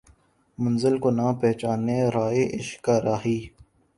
منزل کو نہ پہچانے رہ عشق کا راہی